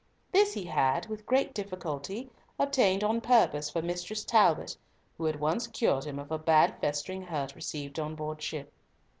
This he had, with great difficulty, obtained on purpose for Mistress Talbot, who had once cured him of a bad festering hurt received on board ship.